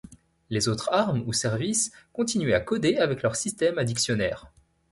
Les autres armes ou services continuaient à coder avec leur système à dictionnaire.